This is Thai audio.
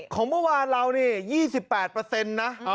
ของเมื่อวานเรานี่๒๘นะ